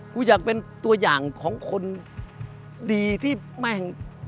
กูอยากเป็นตัวอย่างของคนดีที่แม่ง